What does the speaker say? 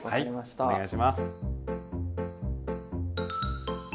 お願いします。